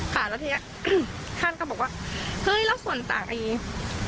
ผ่านแล้วทีนี้ท่านก็บอกว่าเฮ้ยแล้วส่วนต่างอย่างนี้